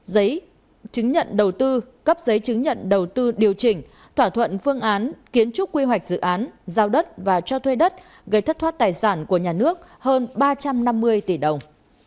giấy chứng nhận đầu tư cấp giấy chứng nhận đầu tư điều chỉnh thỏa thuận phương án kiến trúc quy hoạch dự án giao đất và cho thuê đất gây thất thoát tài sản của nhà nước hơn ba trăm năm mươi tỷ đồng